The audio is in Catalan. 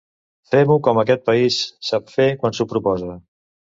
Fem-ho com aquest país sap fer quan s'ho proposa.